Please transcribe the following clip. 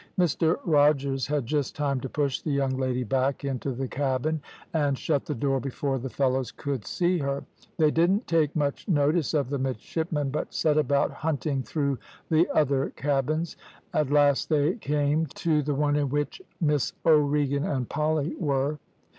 Mr Rogers had just time to push the young lady back into the cabin, and shut the door before the fellows could see her. They didn't take much notice of the midshipmen, but set about hunting through the other cabins. At last, they came to the one in which Miss O'Regan and Polly were.